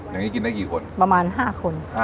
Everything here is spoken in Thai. อย่างนี้กินได้กี่คนประมาณ๕คน